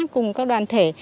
cùng các đoàn thể